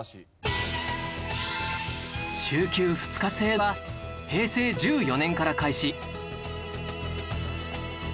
週休２日制は平成１４年から開始